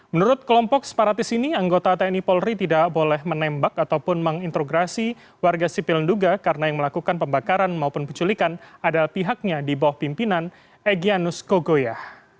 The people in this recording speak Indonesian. menurut kelompok separatis ini anggota tni polri tidak boleh menembak ataupun menginterograsi warga sipil duga karena yang melakukan pembakaran maupun penculikan adalah pihaknya di bawah pimpinan egyanus kogoya